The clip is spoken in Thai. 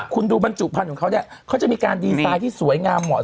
คุณดูบรรจุพันธุ์ของเขาเนี่ยเขาจะมีการดีไซน์ที่สวยงามเหมาะ